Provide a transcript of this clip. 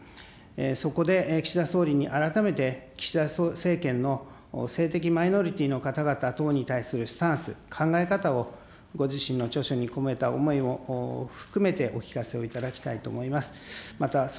そこで岸田総理に改めて、岸田政権の性的マイノリティの方々等に対するスタンス、考え方を、ご自身の著書に込めた思いも含めてお聞かせをいただきたいと思います。